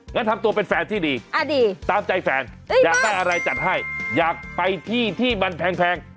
งั้นทำตัวเป็นแฟนที่ดีตามใจแฟนอยากได้อะไรจัดให้อยากไปที่ที่มันแพง